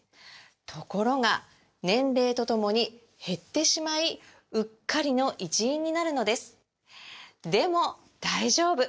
ところが年齢とともに減ってしまいうっかりの一因になるのですでも大丈夫！